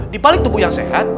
di paling tubuh yang sehat